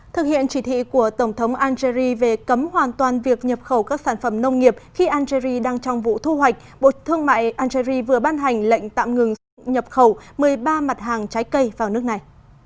thực hiện chỉ thị của tổng thống algeri về cấm hoàn toàn việc nhập khẩu các sản phẩm nông nghiệp khi algeri đang trong vụ thu hoạch bộ thương mại algeria vừa ban hành lệnh tạm ngừng nhập khẩu một mươi ba mặt hàng trái cây vào nước này